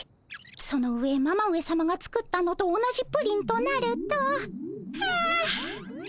その上ママ上さまが作ったのと同じプリンとなると。はあはっこれは。